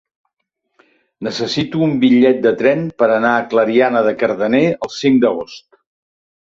Necessito un bitllet de tren per anar a Clariana de Cardener el cinc d'agost.